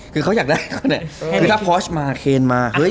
คือเขาอยากได้เขาเนี่ยคือถ้าพอชมาเคนมาเฮ้ย